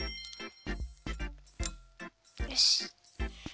よし。